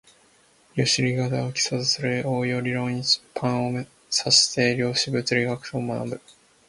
量子力学を基礎とする応用理論一般を指して量子物理学と呼ぶ